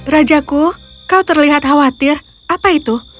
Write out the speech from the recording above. rajaku kau terlihat khawatir apa itu